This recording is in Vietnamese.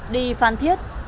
đi phan thiết